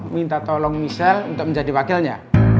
minta tolong michelle untuk menjadi wakilnya